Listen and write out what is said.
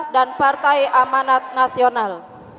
dan partai amanat nasional